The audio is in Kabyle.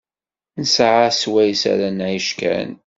Nesɛa swayes ara nɛic kan.